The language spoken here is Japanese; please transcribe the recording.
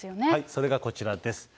それがこちらです。